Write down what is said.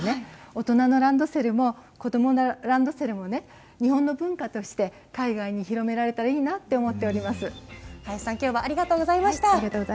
大人のランドセルも子どものランドセルも日本の文化として海外に広められたらいいなと林さん、きょうはありがとうございました。